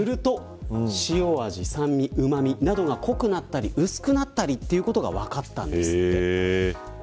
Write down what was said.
すると、塩味、酸味、うま味が濃くなったり薄くなったりするということが分かりました。